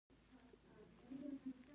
د غوښې ذخیره کولو لپاره سړه فضا اړینه ده.